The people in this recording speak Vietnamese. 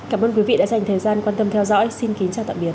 cảm ơn quý vị đã dành thời gian quan tâm theo dõi xin kính chào tạm biệt